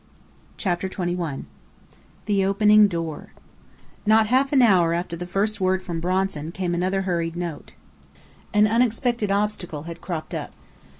CHAPTER XXI THE OPENING DOOR Not half an hour after the first word from Bronson, came another hurried note. An unexpected obstacle had cropped up.